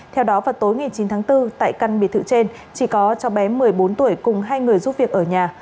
theo đó vào tối ngày chín tháng bốn tại căn biệt thự trên chỉ có cho bé một mươi bốn tuổi cùng hai người giúp việc ở nhà